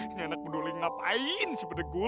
ngenak peduling ngapain si pedegul